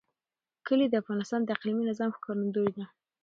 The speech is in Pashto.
کلي د افغانستان د اقلیمي نظام ښکارندوی ده.